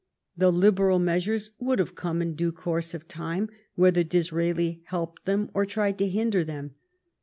The liberal measures would have come in due course of time whether Disraeli helped them or tried to hinder them.